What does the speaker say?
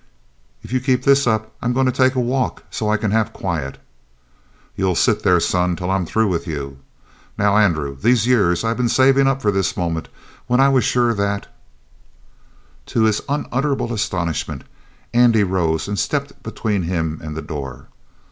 "If you keep this up I'm going to take a walk so I can have quiet." "You'll sit there, son, till I'm through with you. Now, Andrew, these years I've been savin' up for this moment when I was sure that " To his unutterable astonishment Andy rose and stepped between him and the door.